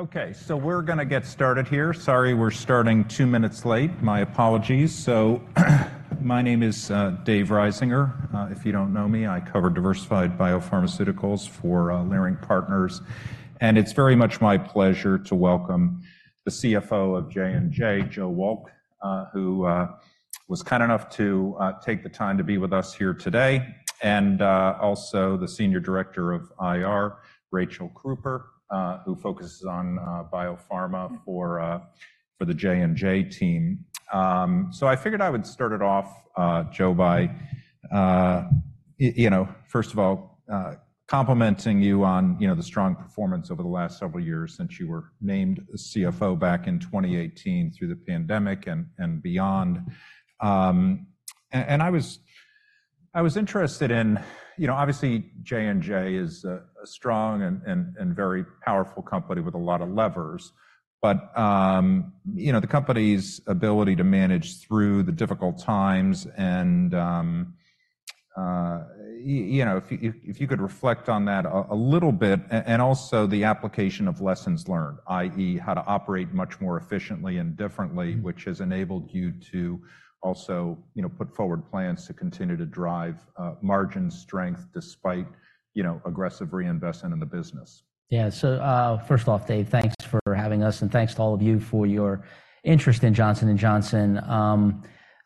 Okay, so we're gonna get started here. Sorry, we're starting two minutes late. My apologies. So my name is, David Risinger. If you don't know me, I cover diversified biopharmaceuticals for Leerink Partners, and it's very much my pleasure to welcome the CFO of J&J, Joe Wolk, who was kind enough to take the time to be with us here today, and also the Senior Director of IR, Raychel Kruper, who focuses on biopharma for the J&J team. So I figured I would start it off, Joe, by you know, first of all, complimenting you on, you know, the strong performance over the last several years since you were named the CFO back in 2018 through the pandemic and beyond. I was interested in, you know, obviously, J&J is a strong and very powerful company with a lot of levers, but you know, the company's ability to manage through the difficult times and you know, if you could reflect on that a little bit and also the application of lessons learned, i.e., how to operate much more efficiently and differently. Mm. Which has enabled you to also, you know, put forward plans to continue to drive margin strength despite, you know, aggressive reinvestment in the business. Yeah. So, first off, Dave, thanks for having us, and thanks to all of you for your interest in Johnson & Johnson.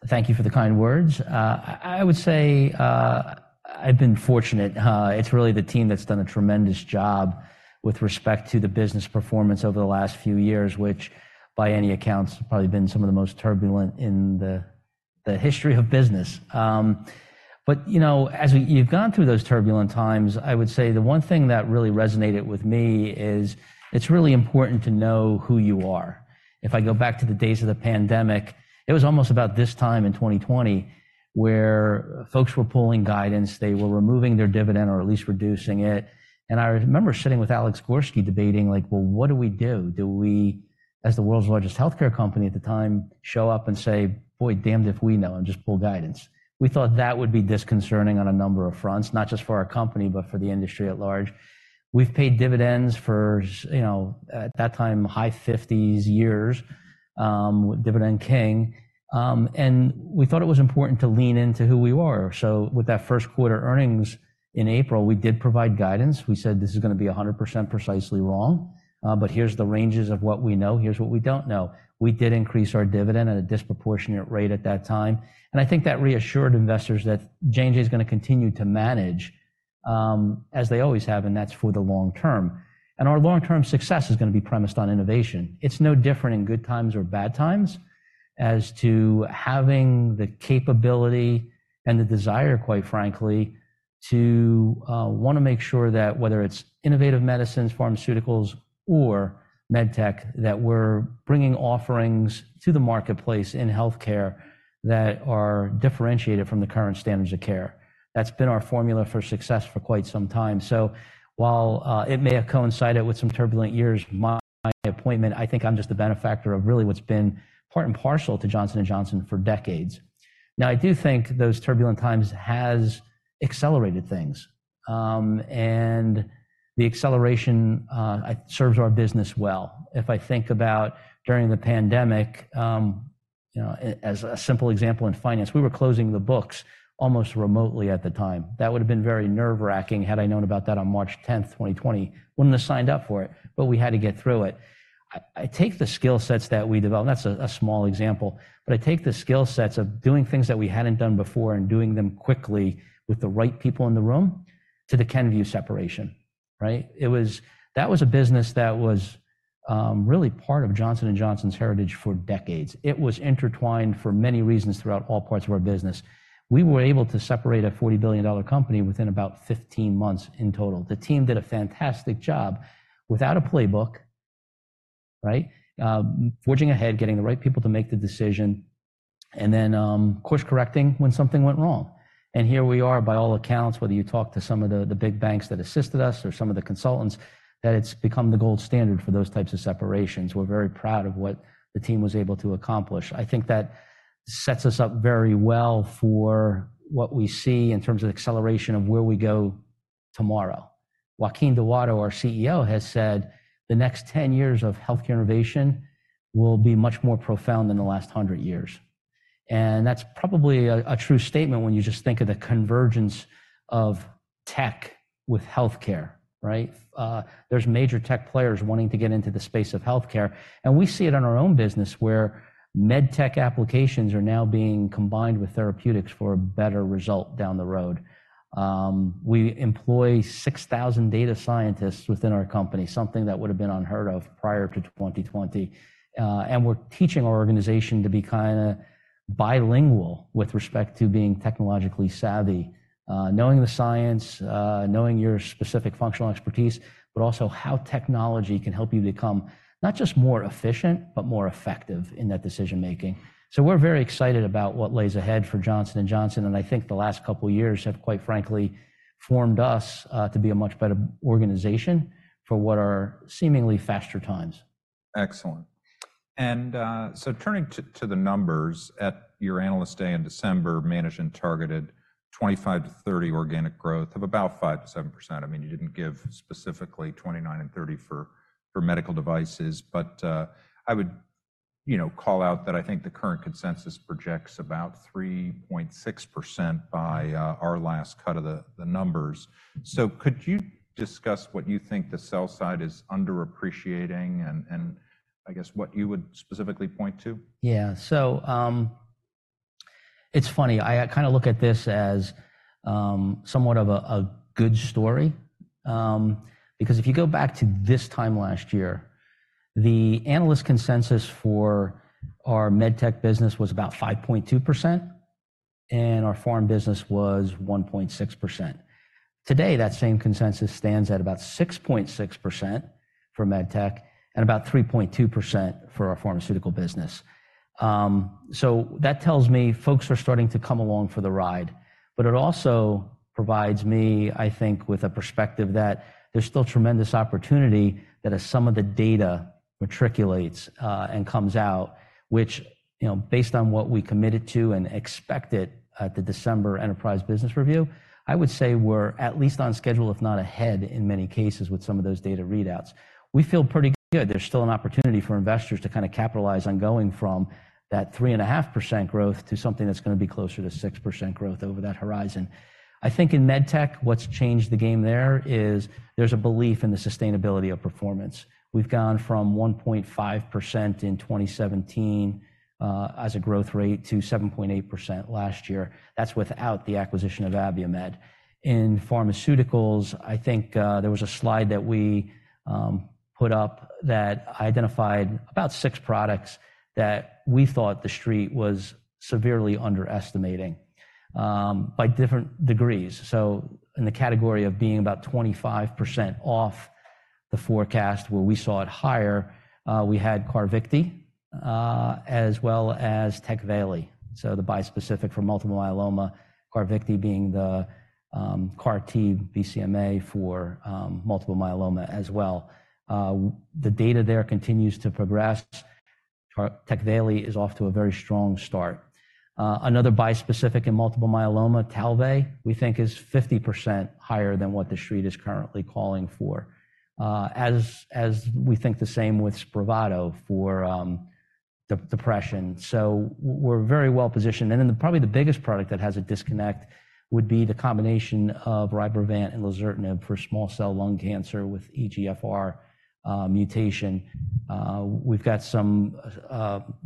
Thank you for the kind words. I would say, I've been fortunate. It's really the team that's done a tremendous job with respect to the business performance over the last few years, which, by any accounts, has probably been some of the most turbulent in the history of business. But, you know, as we've gone through those turbulent times, I would say the one thing that really resonated with me is it's really important to know who you are. If I go back to the days of the pandemic, it was almost about this time in 2020 where folks were pulling guidance, they were removing their dividend, or at least reducing it, and I remember sitting with Alex Gorsky, debating, like, "Well, what do we do? Do we, as the world's largest healthcare company at the time, show up and say, 'Boy, damned if we know,' and just pull guidance?" We thought that would be disconcerting on a number of fronts, not just for our company, but for the industry at large. We've paid dividends for s-- you know, at that time, high fifties years, with Dividend King, and we thought it was important to lean into who we were. So with that first quarter earnings in April, we did provide guidance. We said: "This is gonna be 100% precisely wrong, but here's the ranges of what we know. Here's what we don't know." We did increase our dividend at a disproportionate rate at that time, and I think that reassured investors that J&J is gonna continue to manage, as they always have, and that's for the long term, and our long-term success is gonna be premised on innovation. It's no different in good times or bad times as to having the capability and the desire, quite frankly, to, wanna make sure that whether it's innovative medicines, pharmaceuticals, or MedTech, that we're bringing offerings to the marketplace in healthcare that are differentiated from the current standards of care. That's been our formula for success for quite some time. So while it may have coincided with some turbulent years, my appointment, I think I'm just the benefactor of really what's been part and parcel to Johnson & Johnson for decades. Now, I do think those turbulent times has accelerated things, and the acceleration serves our business well. If I think about during the pandemic, you know, as a simple example in finance, we were closing the books almost remotely at the time. That would've been very nerve-wracking had I known about that on March tenth, twenty twenty. Wouldn't have signed up for it, but we had to get through it. I take the skill sets that we developed, and that's a small example, but I take the skill sets of doing things that we hadn't done before and doing them quickly with the right people in the room to the Kenvue separation, right? That was a business that was really part of Johnson & Johnson's heritage for decades. It was intertwined for many reasons throughout all parts of our business. We were able to separate a $40 billion company within about 15 months in total. The team did a fantastic job without a playbook, right? Forging ahead, getting the right people to make the decision, and then course-correcting when something went wrong. And here we are, by all accounts, whether you talk to some of the, the big banks that assisted us or some of the consultants, that it's become the gold standard for those types of separations. We're very proud of what the team was able to accomplish. I think that sets us up very well for what we see in terms of acceleration of where we go tomorrow. Joaquin Duato, our CEO, has said, "The next 10 years of healthcare innovation will be much more profound than the last 100 years." And that's probably a true statement when you just think of the convergence of tech with healthcare, right? There's major tech players wanting to get into the space of healthcare, and we see it in our own business, where MedTech applications are now being combined with therapeutics for a better result down the road. We employ 6,000 data scientists within our company, something that would have been unheard of prior to 2020, and we're teaching our organization to be kinda bilingual with respect to being technologically savvy. Knowing the science, knowing your specific functional expertise, but also how technology can help you become not just more efficient, but more effective in that decision making. So we're very excited about what lays ahead for Johnson & Johnson, and I think the last couple of years have, quite frankly, formed us to be a much better organization for what are seemingly faster times. Excellent. And so turning to the numbers, at your Analyst Day in December, management targeted 2025-2030 organic growth of about 5%-7%. I mean, you didn't give specifically 2029 and 2030 for medical devices, but I would, you know, call out that I think the current consensus projects about 3.6% by our last cut of the numbers. So could you discuss what you think the sell side is underappreciating, and I guess, what you would specifically point to? Yeah. So, it's funny, I kind of look at this as somewhat of a good story. Because if you go back to this time last year, the analyst consensus for our MedTech business was about 5.2%, and our pharm business was 1.6%. Today, that same consensus stands at about 6.6% for MedTech and about 3.2% for our pharmaceutical business. So that tells me folks are starting to come along for the ride, but it also provides me, I think, with a perspective that there's still tremendous opportunity that as some of the data matriculates and comes out, which, you know, based on what we committed to and expected at the December Enterprise Business Review, I would say we're at least on schedule, if not ahead, in many cases with some of those data readouts. We feel pretty good. There's still an opportunity for investors to kind of capitalize on going from that 3.5% growth to something that's going to be closer to 6% growth over that horizon. I think in MedTech, what's changed the game there is there's a belief in the sustainability of performance. We've gone from 1.5% in 2017 as a growth rate to 7.8% last year. That's without the acquisition of Abiomed. In pharmaceuticals, I think there was a slide that we put up that identified about 6 products that we thought the Street was severely underestimating by different degrees. So in the category of being about 25% off the forecast, where we saw it higher, we had CARVYKTI as well as TECVAYLI. So the bispecific for multiple myeloma, CARVYKTI being the CAR-T BCMA for multiple myeloma as well. The data there continues to progress. TECVAYLI is off to a very strong start. Another bispecific in multiple myeloma, TALVEY, we think is 50% higher than what the Street is currently calling for, as we think the same with SPRAVATO for depression. So we're very well positioned. And then probably the biggest product that has a disconnect would be the combination of RYBREVANT and lazertinib for small cell lung cancer with EGFR mutation. We've got some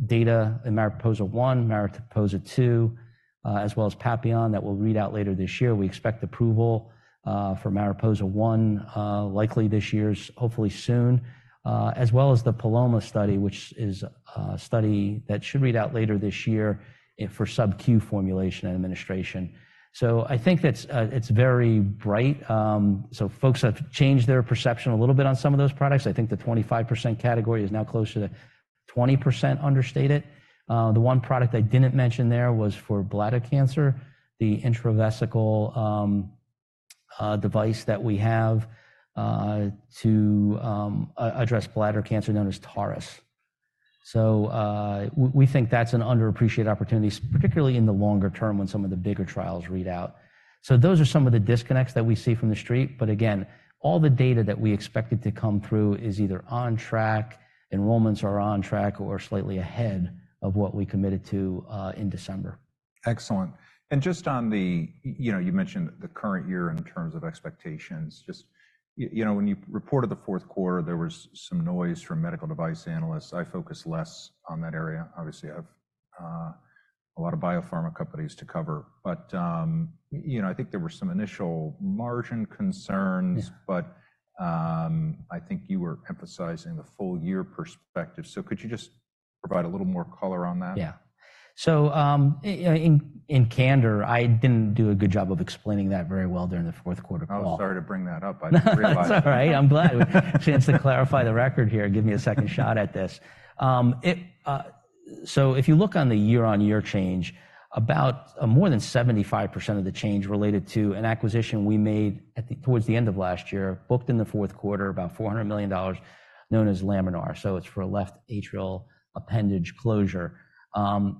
data in Mariposa One, Mariposa Two, as well as Papillon, that we'll read out later this year. We expect approval for Mariposa One likely this year, hopefully soon, as well as the Paloma study, which is a study that should read out later this year for sub-Q formulation and administration. So I think that's very bright. So folks have changed their perception a little bit on some of those products. I think the 25% category is now closer to 20% understated. The one product I didn't mention there was for bladder cancer, the intravesical device that we have to address bladder cancer, known as TARIS. So, we think that's an underappreciated opportunity, particularly in the longer term, when some of the bigger trials read out. So those are some of the disconnects that we see from the Street, but again, all the data that we expected to come through is either on track, enrollments are on track or slightly ahead of what we committed to in December. Excellent. And just on the... You know, you mentioned the current year in terms of expectations. Just, you know, when you reported the fourth quarter, there was some noise from medical device analysts. I focus less on that area. Obviously, I have a lot of biopharma companies to cover, but, you know, I think there were some initial margin concerns. Yeah. But, I think you were emphasizing the full year perspective. So could you just provide a little more color on that? Yeah. So, in candor, I didn't do a good job of explaining that very well during the fourth quarter call. I'm sorry to bring that up, I realize. That's all right. I'm glad we have a chance to clarify the record here and give me a second shot at this. So if you look on the year-on-year change, about more than 75% of the change related to an acquisition we made towards the end of last year, booked in the fourth quarter, about $400 million, known as Laminar. So it's for a left atrial appendage closure.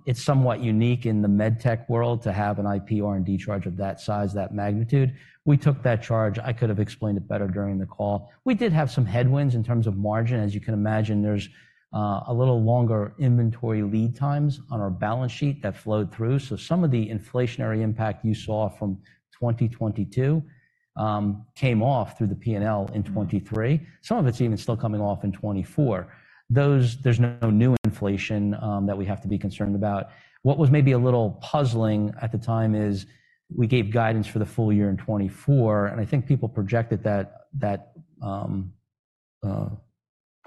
It's somewhat unique in the MedTech world to have an IP R&D charge of that size, that magnitude. We took that charge. I could have explained it better during the call. We did have some headwinds in terms of margin. As you can imagine, there's a little longer inventory lead times on our balance sheet that flowed through. So some of the inflationary impact you saw from 2022 came off through the P&L in 2023. Some of it's even still coming off in 2024. There's no new inflation that we have to be concerned about. What was maybe a little puzzling at the time is we gave guidance for the full year in 2024, and I think people projected that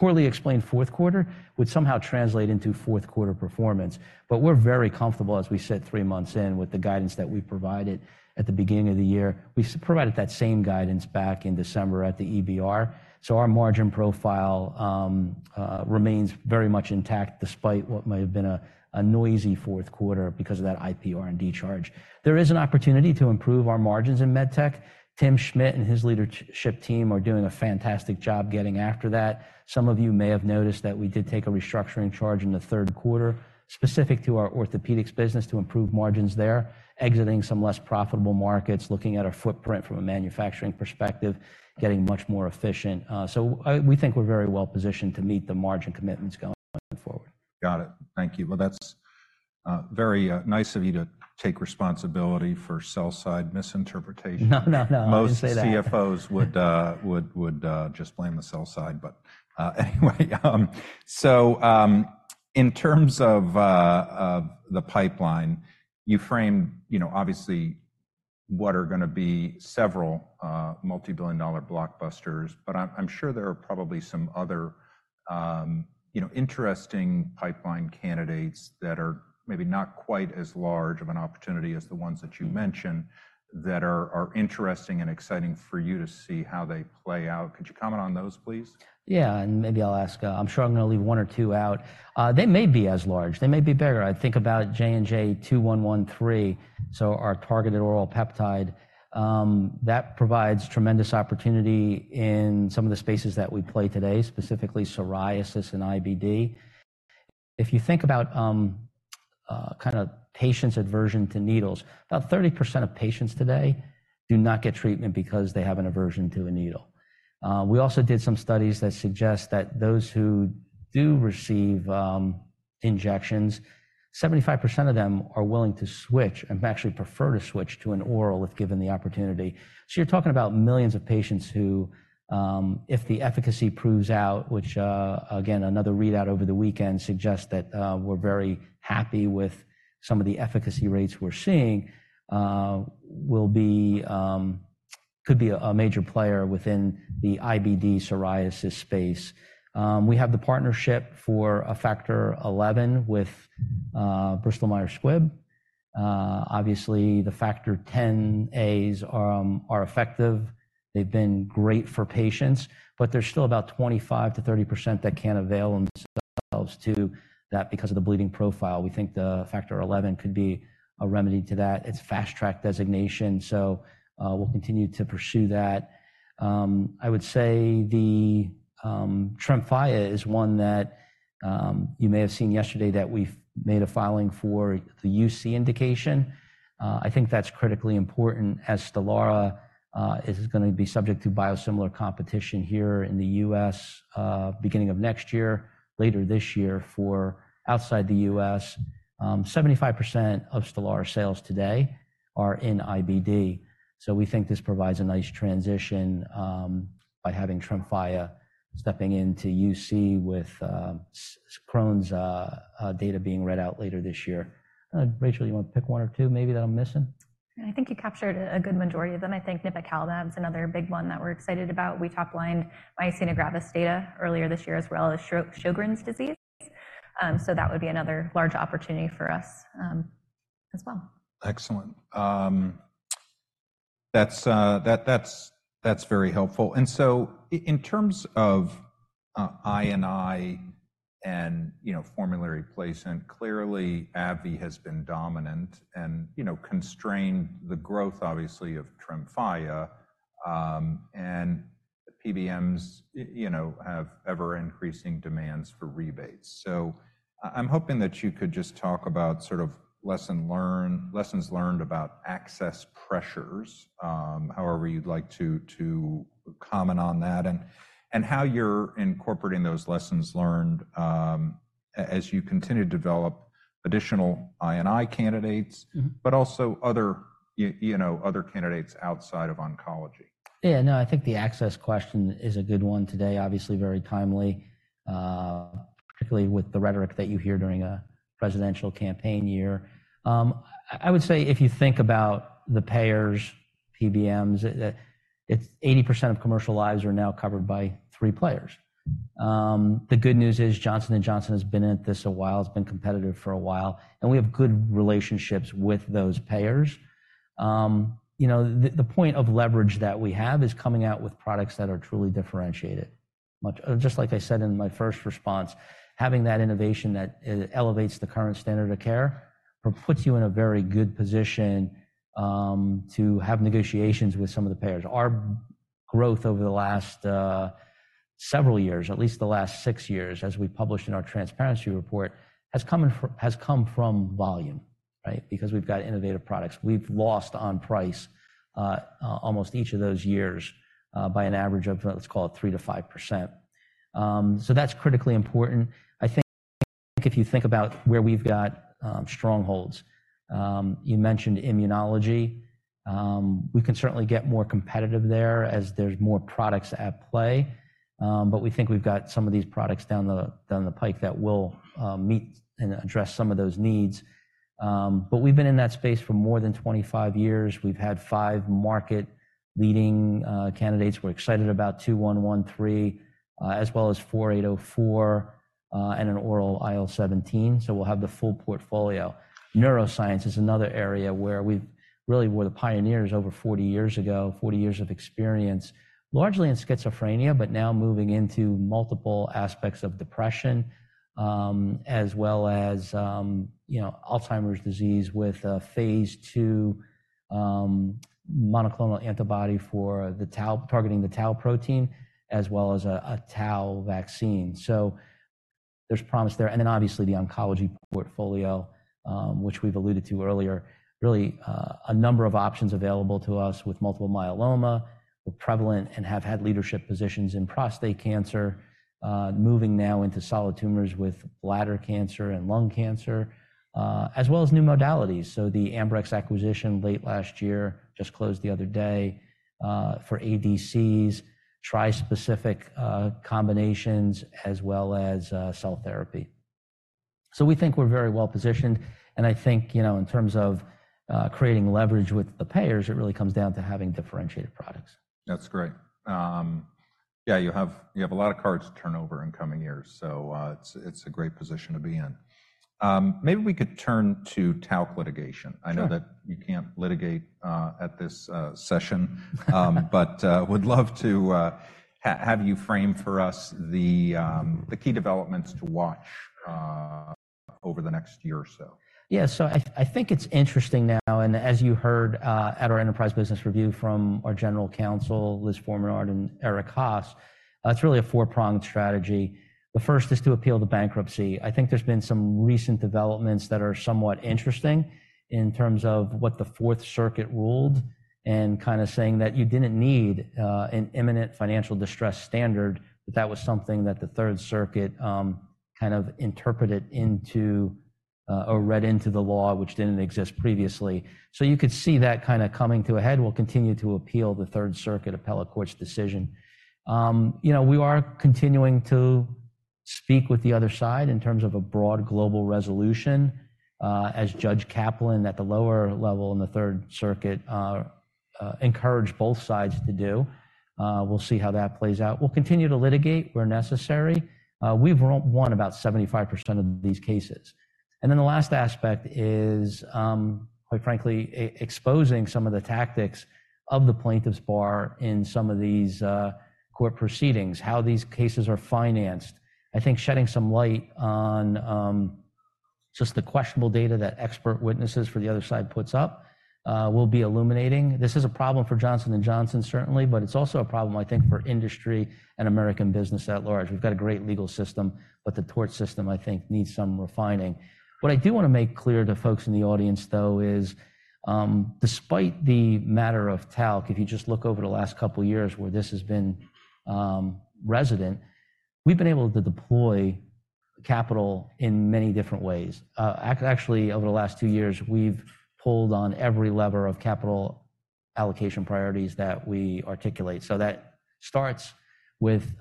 poorly explained fourth quarter would somehow translate into fourth quarter performance. But we're very comfortable, as we sit three months in, with the guidance that we provided at the beginning of the year. We provided that same guidance back in December at the EBR. So our margin profile remains very much intact, despite what might have been a noisy fourth quarter because of that IP R&D charge. There is an opportunity to improve our margins in MedTech. Tim Schmid and his leadership team are doing a fantastic job getting after that. Some of you may have noticed that we did take a restructuring charge in the third quarter, specific to our orthopedics business, to improve margins there, exiting some less profitable markets, looking at our footprint from a manufacturing perspective, getting much more efficient. We think we're very well positioned to meet the margin commitments going forward. Got it. Thank you. Well, that's very nice of you to take responsibility for sell side misinterpretation. No, no, no, I didn't say that. Most CFOs would just blame the sell side. But, anyway, so, in terms of, of the pipeline, you frame, you know, obviously, what are going to be several, multibillion-dollar blockbusters. But I'm sure there are probably some other, you know, interesting pipeline candidates that are maybe not quite as large of an opportunity as the ones that you mentioned, that are interesting and exciting for you to see how they play out. Could you comment on those, please? Yeah, and maybe I'll ask. I'm sure I'm going to leave one or two out. They may be as large. They may be bigger. I think about JNJ-2113, so our targeted oral peptide, that provides tremendous opportunity in some of the spaces that we play today, specifically psoriasis and IBD. If you think about, kind of patients' aversion to needles, about 30% of patients today do not get treatment because they have an aversion to a needle. We also did some studies that suggest that those who do receive injections, 75% of them are willing to switch, and actually prefer to switch to an oral if given the opportunity. So you're talking about millions of patients who, if the efficacy proves out, which, again, another readout over the weekend suggests that, we're very happy with some of the efficacy rates we're seeing, will be, could be a major player within the IBD psoriasis space. We have the partnership for a Factor XI with Bristol-Myers Squibb. Obviously, the Factor Xa’s are effective. They've been great for patients, but there's still about 25%-30% that can't avail themselves to that because of the bleeding profile. We think the Factor XI could be a remedy to that. It's a fast-track designation, so we'll continue to pursue that. I would say the TREMFYA is one that you may have seen yesterday, that we've made a filing for the UC indication. I think that's critically important, as STELARA is going to be subject to biosimilar competition here in the U.S., beginning of next year, later this year for outside the U.S. 75% of STELARA sales today are in IBD, so we think this provides a nice transition, by having TREMFYA stepping into UC with Crohn's data being read out later this year. Rachel, you want to pick one or two maybe that I'm missing? I think you captured a good majority of them. I think nipocalimab is another big one that we're excited about. We top-lined myasthenia gravis data earlier this year, as well as Sjögren's disease. So that would be another large opportunity for us, as well. Excellent. That's very helpful. And so in terms of I&I and, you know, formulary placement, clearly AbbVie has been dominant and, you know, constrained the growth, obviously, of TREMFYA. And PBMs, you know, have ever-increasing demands for rebates. So I'm hoping that you could just talk about sort of lessons learned about access pressures, however you'd like to comment on that, and how you're incorporating those lessons learned, as you continue to develop additional I&I candidates- Mm-hmm But also other, you know, other candidates outside of oncology. Yeah, no, I think the access question is a good one today. Obviously, very timely, particularly with the rhetoric that you hear during a presidential campaign year. I would say, if you think about the payers, PBMs, it's 80% of commercial lives are now covered by three players. The good news is, Johnson & Johnson has been at this a while, has been competitive for a while, and we have good relationships with those payers. You know, the point of leverage that we have is coming out with products that are truly differentiated. Just like I said in my first response, having that innovation that elevates the current standard of care, puts you in a very good position to have negotiations with some of the payers. Our growth over the last several years, at least the last six years, as we published in our transparency report, has come from volume, right? Because we've got innovative products. We've lost on price almost each of those years by an average of, let's call it 3%-5%. So that's critically important. I think if you think about where we've got strongholds, you mentioned immunology. We can certainly get more competitive there as there's more products at play, but we think we've got some of these products down the pike that will meet and address some of those needs. But we've been in that space for more than 25 years. We've had 5 market-leading candidates. We're excited about JNJ-2113, as well as JNJ-4804, and an oral IL-17, so we'll have the full portfolio. Neuroscience is another area where we've really were the pioneers over 40 years ago, 40 years of experience, largely in schizophrenia, but now moving into multiple aspects of depression, as well as, you know, Alzheimer's disease with a Phase II, monoclonal antibody for the tau, targeting the tau protein, as well as a tau vaccine. So there's promise there. And then obviously, the oncology portfolio, which we've alluded to earlier, really, a number of options available to us with multiple myeloma. We're prevalent and have had leadership positions in prostate cancer, moving now into solid tumors with bladder cancer and lung cancer, as well as new modalities. So the Ambrx acquisition late last year just closed the other day for ADCs, trispecific combinations, as well as cell therapy. So we think we're very well positioned, and I think, you know, in terms of creating leverage with the payers, it really comes down to having differentiated products. That's great. Yeah, you have a lot of cards to turn over in coming years, so, it's a great position to be in. Maybe we could turn to talc litigation. Sure. I know that you can't litigate at this session, but would love to have you frame for us the key developments to watch over the next year or so. Yeah. So I think it's interesting now, and as you heard at our enterprise business review from our General Counsel, Liz Forminard and Erik Haas, it's really a four-pronged strategy. The first is to appeal the bankruptcy. I think there's been some recent developments that are somewhat interesting in terms of what the Fourth Circuit ruled, and kind of saying that you didn't need an imminent financial distress standard, that that was something that the Third Circuit kind of interpreted into or read into the law, which didn't exist previously. So you could see that kind of coming to a head. We'll continue to appeal the Third Circuit Appellate Court's decision. You know, we are continuing to speak with the other side in terms of a broad global resolution, as Judge Kaplan at the lower level in the Third Circuit encouraged both sides to do. We'll see how that plays out. We'll continue to litigate where necessary. We've won about 75% of these cases. And then the last aspect is, quite frankly, exposing some of the tactics of the plaintiffs bar in some of these court proceedings, how these cases are financed. I think shedding some light on just the questionable data that expert witnesses for the other side puts up will be illuminating. This is a problem for Johnson & Johnson, certainly, but it's also a problem, I think, for industry and American business at large. We've got a great legal system, but the tort system I think needs some refining. What I do want to make clear to folks in the audience, though, is, despite the matter of talc, if you just look over the last couple of years where this has been resident, we've been able to deploy capital in many different ways. Actually, over the last two years, we've pulled on every lever of capital allocation priorities that we articulate. So that starts with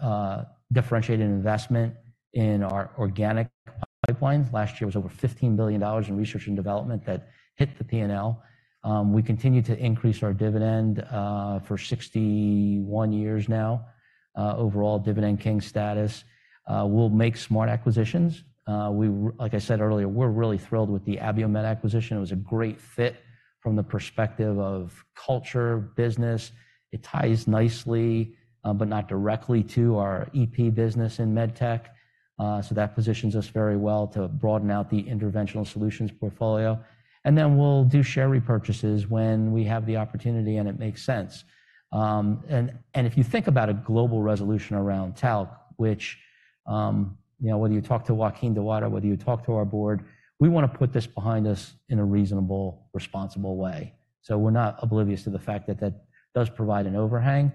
differentiating investment in our organic pipelines. Last year was over $15 billion in research and development that hit the P&L. We continue to increase our dividend for 61 years now, overall dividend king status. We'll make smart acquisitions. Like I said earlier, we're really thrilled with the Abiomed acquisition. It was a great fit from the perspective of culture, business. It ties nicely, but not directly to our EP business in MedTech, so that positions us very well to broaden out the interventional solutions portfolio. And then we'll do share repurchases when we have the opportunity and it makes sense. And if you think about a global resolution around talc, which, you know, whether you talk to Joaquin Duato, whether you talk to our board, we wanna put this behind us in a reasonable, responsible way. So we're not oblivious to the fact that that does provide an overhang.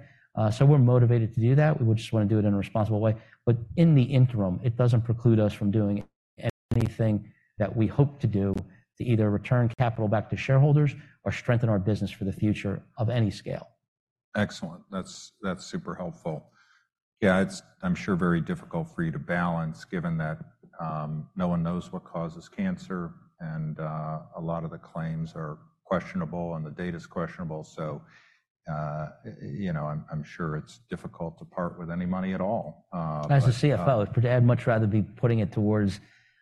So we're motivated to do that. We would just want to do it in a responsible way. But in the interim, it doesn't preclude us from doing anything that we hope to do to either return capital back to shareholders or strengthen our business for the future of any scale. Excellent. That's, that's super helpful. Yeah, it's, I'm sure, very difficult for you to balance, given that no one knows what causes cancer, and a lot of the claims are questionable and the data is questionable. So, you know, I'm, I'm sure it's difficult to part with any money at all, but- As a CFO, I'd much rather be putting it towards,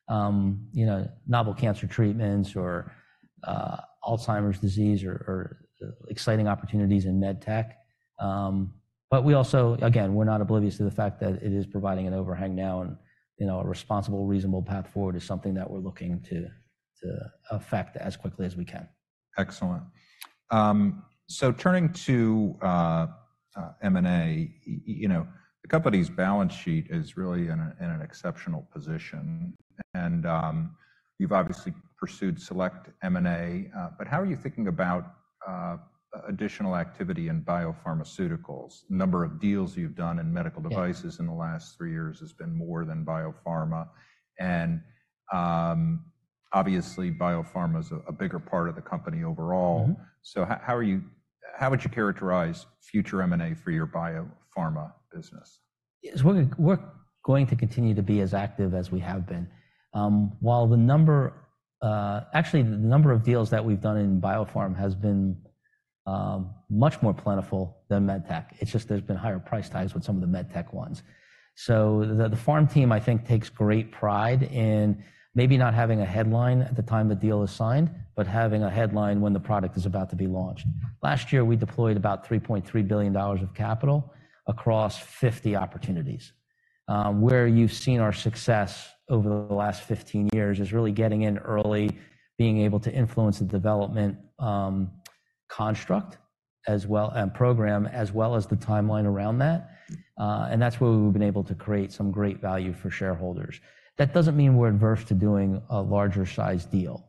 you know, novel cancer treatments or Alzheimer's disease or exciting opportunities in MedTech. But we also... Again, we're not oblivious to the fact that it is providing an overhang now, and, you know, a responsible, reasonable path forward is something that we're looking to affect as quickly as we can. Excellent. So turning to M&A, you know, the company's balance sheet is really in an exceptional position, and you've obviously pursued select M&A, but how are you thinking about additional activity in biopharmaceuticals? The number of deals you've done in medical devices- Yeah In the last three years has been more than biopharma. And, obviously, biopharma is a bigger part of the company overall. Mm-hmm. So, how would you characterize future M&A for your biopharma business? Yes, we're going to continue to be as active as we have been. While actually the number of deals that we've done in biopharm has been much more plentiful than MedTech. It's just there's been higher price tags with some of the MedTech ones. So the pharm team, I think, takes great pride in maybe not having a headline at the time the deal is signed, but having a headline when the product is about to be launched. Last year, we deployed about $3.3 billion of capital across 50 opportunities. Where you've seen our success over the last 15 years is really getting in early, being able to influence the development, construct as well and program, as well as the timeline around that, and that's where we've been able to create some great value for shareholders. That doesn't mean we're adverse to doing a larger size deal.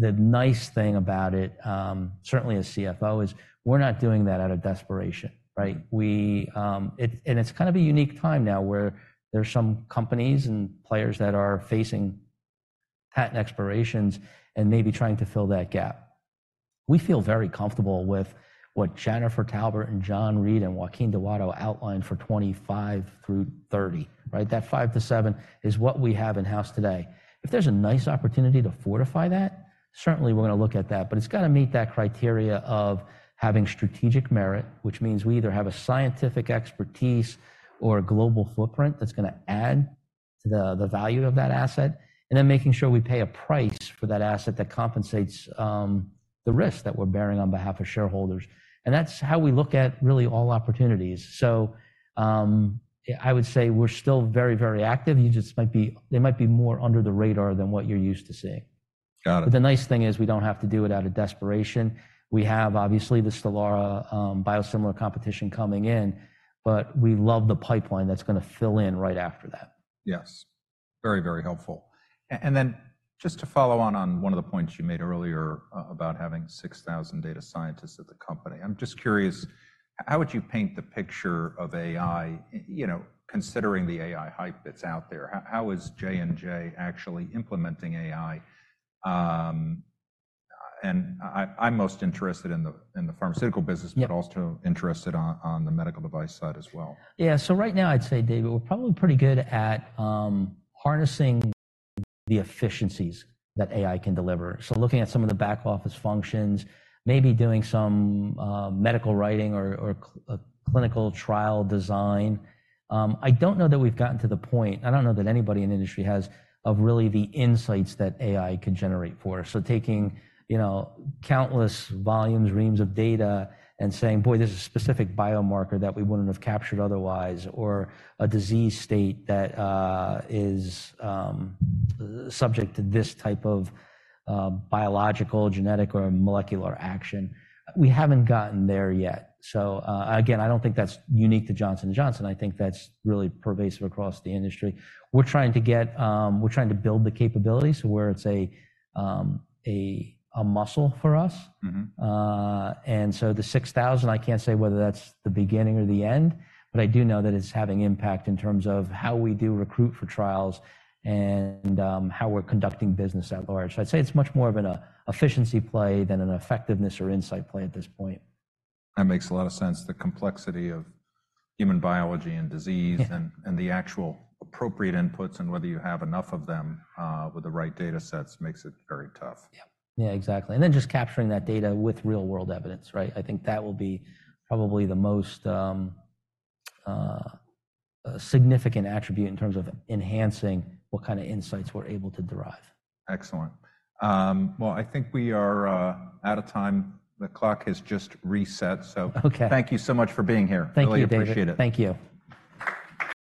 The nice thing about it, certainly as CFO, is we're not doing that out of desperation, right? And it's kind of a unique time now, where there are some companies and players that are facing patent expirations and maybe trying to fill that gap. We feel very comfortable with what Jennifer Taubert and John Reed and Joaquin Duato outlined for 2025 through 2030, right? That 5-7 is what we have in-house today. If there's a nice opportunity to fortify that, certainly we're gonna look at that, but it's gotta meet that criteria of having strategic merit, which means we either have a scientific expertise or a global footprint that's gonna add to the value of that asset, and then making sure we pay a price for that asset that compensates the risk that we're bearing on behalf of shareholders, and that's how we look at really all opportunities. So, I would say we're still very, very active. You just might be – they might be more under the radar than what you're used to seeing. Got it. The nice thing is, we don't have to do it out of desperation. We have, obviously, the STELARA biosimilar competition coming in, but we love the pipeline that's gonna fill in right after that. Yes. Very, very helpful. And then just to follow on, on one of the points you made earlier about having 6,000 data scientists at the company, I'm just curious, how would you paint the picture of AI, you know, considering the AI hype that's out there? How, how is J&J actually implementing AI? And I'm most interested in the, in the pharmaceutical business- Yep. but also interested on the medical device side as well. Yeah. So right now, I'd say, David, we're probably pretty good at harnessing the efficiencies that AI can deliver. So looking at some of the back office functions, maybe doing some medical writing or a clinical trial design. I don't know that we've gotten to the point, I don't know that anybody in the industry has, of really the insights that AI can generate for us. So taking, you know, countless volumes, reams of data and saying, "Boy, there's a specific biomarker that we wouldn't have captured otherwise, or a disease state that is subject to this type of biological, genetic, or molecular action." We haven't gotten there yet. So, again, I don't think that's unique to Johnson & Johnson. I think that's really pervasive across the industry. We're trying to get... We're trying to build the capabilities to where it's a muscle for us. Mm-hmm. And so the 6,000, I can't say whether that's the beginning or the end, but I do know that it's having impact in terms of how we do recruit for trials and, how we're conducting business at large. So I'd say it's much more of an efficiency play than an effectiveness or insight play at this point. That makes a lot of sense. The complexity of human biology and disease- Yeah And the actual appropriate inputs and whether you have enough of them, with the right datasets, makes it very tough. Yeah. Yeah, exactly, and then just capturing that data with real-world evidence, right? I think that will be probably the most significant attribute in terms of enhancing what kind of insights we're able to derive. Excellent. Well, I think we are out of time. The clock has just reset, so- Okay. Thank you so much for being here. Thank you, David. Really appreciate it. Thank you.